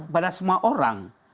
pada semua orang